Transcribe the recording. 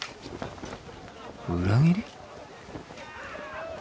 裏切り？